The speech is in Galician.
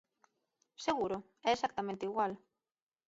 ¿Seguro? É exactamente igual.